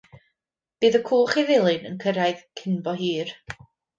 Bydd y cwch i Ddulyn yn cyrraedd cyn bo hir.